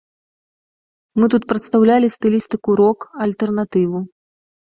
Мы тут прадстаўлялі стылістыку рок, альтэрнатыву.